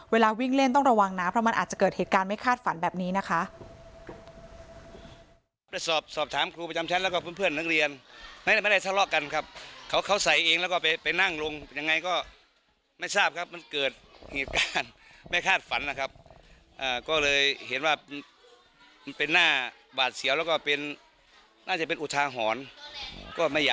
เวลาวิ่งเล่นต้องระวังนะเพราะมันอาจจะเกิดเหตุการณ์ไม่คาดฝันแบบนี้นะคะ